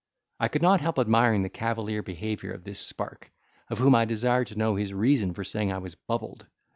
I could not help admiring the cavalier behaviour of this spark, of whom I desired to know his reason for saying I was bubbled.